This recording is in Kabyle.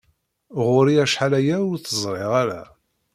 Ɣur-i acḥal aya ur ttezriɣ ara.